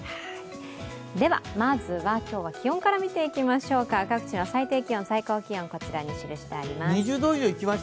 では、まずは今日は気温から見ていきましょうか、各地の最低気温、最高気温こちらに記してあります。